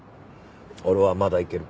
俺はまだいける。